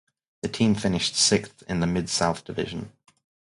The team finished sixth in the Mid South Division.